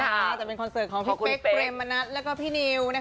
แต่จะเป็นคอนเสิร์ตของพี่เป๊กเปรมมณัฐแล้วก็พี่นิว